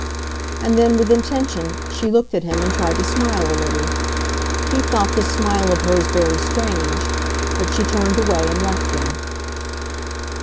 And then, with intention, she looked at him and tried to smile a little. He thought this smile of hers very strange; but she turned away and left him.